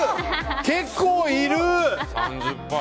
結構いるー！